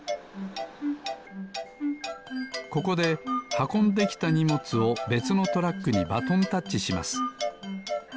ここではこんできたにもつをべつのトラックにバトンタッチします。